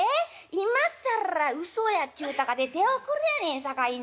今更うそやっちゅうたかて手遅れねんやさかいな。